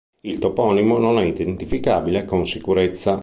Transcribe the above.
Il toponimo non è identificabile con sicurezza.